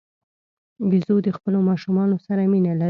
بیزو د خپلو ماشومانو سره مینه لري.